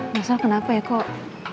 mas har kenapa ya kok